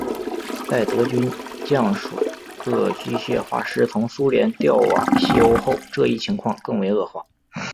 在德军将数个机械化师从苏联调往西欧后这一情况更为恶化。